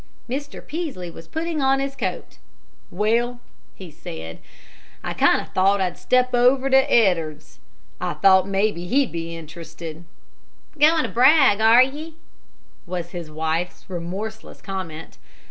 Mr. Peaslee was putting on his coat. "Well," he said, "I kind o' thought I'd step over to Ed'ards's. I thought mebbe he'd be interested." "Goin' to brag, are ye?" was his wife's remorseless comment.